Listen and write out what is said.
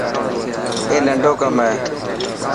اي ننڊو ڪم هي.